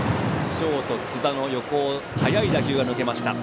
ショート、津田の横を速い打球が抜けました。